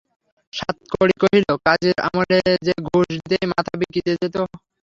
সাতকড়ি কহিল, কাজির আমলে যে ঘুষ দিতেই মাথা বিকিয়ে যেত।